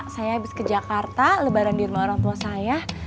saya habis ke jakarta lebaran di rumah orang tua saya